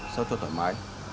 sau cho thoải mái